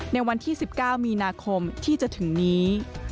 ในวันที่๑๙มีนาคมที่จะถึงนี้